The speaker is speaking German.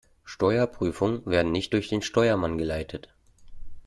Steuerprüfungen werden nicht durch den Steuermann geleitet.